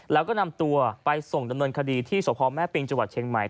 แล้วก็นำตัวไปส่งดำเนินคดีที่สพแม่ปิงจังหวัดเชียงใหม่